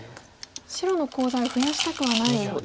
白のコウ材を増やしたくはないですか。